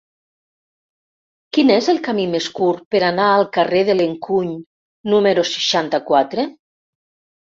Quin és el camí més curt per anar al carrer de l'Encuny número seixanta-quatre?